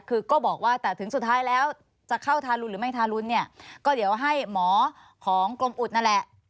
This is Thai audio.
คือก็บอกว่าแต่ถึงสุดท้ายแล้วจะเข้าทารุนหรือไม่ทารุนเนี่ยก็เดี๋ยวให้หมอของกรมอุดนั่นแหละ